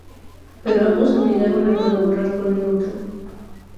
Pero ambos se negaron a colaborar con el otro.